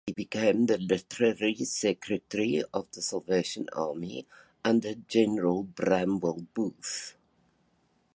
He became the literary secretary of The Salvation Army under General Bramwell Booth.